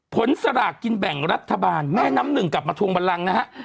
สลากกินแบ่งรัฐบาลแม่น้ำหนึ่งกลับมาทวงบันลังนะฮะ